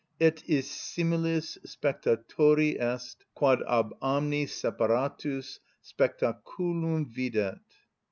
"_Et is similis spectatori est, quad ab omni separatus spectaculum videt.